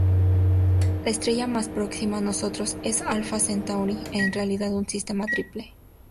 La estrella más próxima a nosotros es Alfa Centauri, en realidad un sistema triple.